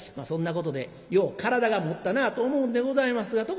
そんなことでよう体がもったなあと思うんでございますが。